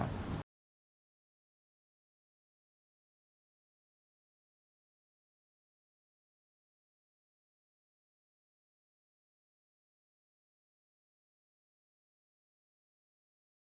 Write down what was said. แบบนี้น่าจะมีเหมือนจะเลือกรับแบบนี้หรือเป็นการแบ่งเกิดได้